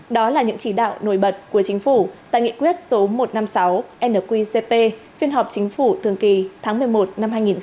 đó là những chỉ đạo nổi bật của chính phủ tại nghị quyết số một trăm năm mươi sáu nqcp phiên họp chính phủ thường kỳ tháng một mươi một năm hai nghìn một mươi chín